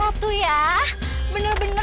lo tuh ya bener bener ya